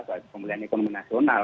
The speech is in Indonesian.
pemulihan ekonomi nasional